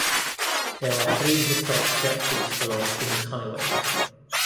There are three historic churches along Kings Highway.